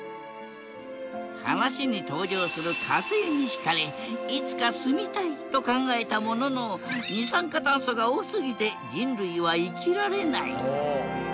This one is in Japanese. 話に登場する火星に引かれいつか住みたいと考えたものの二酸化炭素が多すぎて人類は生きられない。